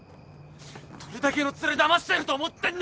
どれだけのツレだましてると思ってんだよ！